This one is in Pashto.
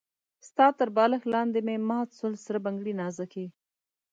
ستا تر بالښت لاندې مي مات سول سره بنګړي نازکي